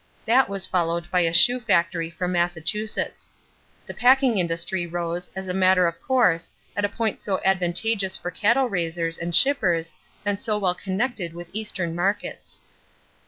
That was followed by a shoe factory from Massachusetts. The packing industry rose as a matter of course at a point so advantageous for cattle raisers and shippers and so well connected with Eastern markets.